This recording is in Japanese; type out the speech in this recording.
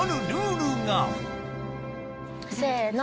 せの。